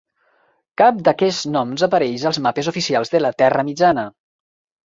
Cap d"aquests noms apareix als mapes oficials de la terra mitjana.